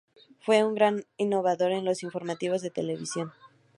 Fue un gran innovador en los informativos de televisión.